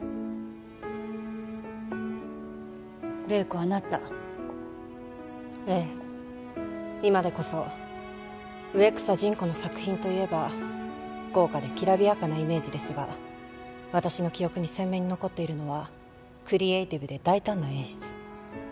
麗子あなたええ今でこそウエクサジンコの作品といえば豪華できらびやかなイメージですが私の記憶に鮮明に残っているのはクリエイティブで大胆な演出